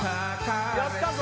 やったぞ！